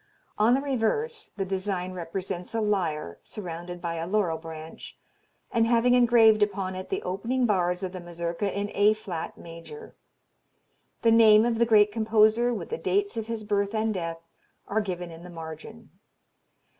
On the reverse, the design represents a lyre, surrounded by a laurel branch, and having engraved upon it the opening bars of the Mazurka in A flat major. The name of the great composer with the dates of his birth and death, are given in the margin.